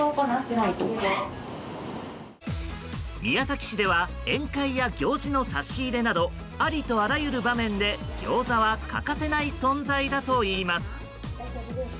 宮崎市では宴会や行事の差し入れなどありとあらゆる場面でギョーザは欠かせない存在だといいます。